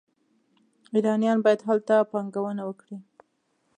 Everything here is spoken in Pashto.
ایرانیان باید هلته پانګونه وکړي.